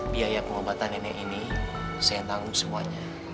biaya pengobatan nenek ini saya naung semuanya